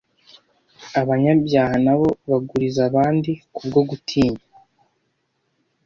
Abanyabyaha na bo baguriza abandi kubwo gutinya